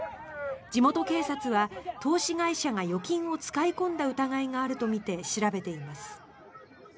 地元警察は投資会社が預金を使い込んだ疑いがあるとみて調べています。